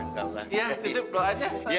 iya ditutup doanya